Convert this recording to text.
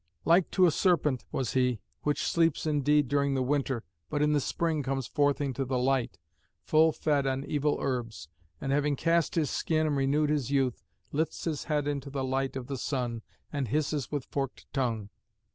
Like to a serpent was he, which sleeps indeed during the winter, but in the spring comes forth into the light, full fed on evil herbs, and, having cast his skin and renewed his youth, lifts his head into the light of the sun and hisses with forked tongue.